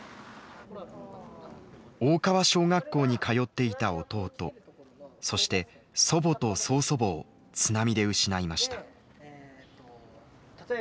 大川小学校に通っていた弟そして祖母と曽祖母を津波で失いました。